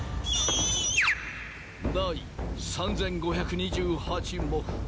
「第３５２８もふ」